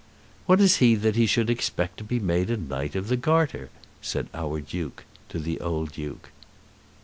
"What is he that he should expect to be made a Knight of the Garter?" said our Duke to the old Duke.